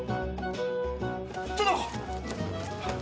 殿！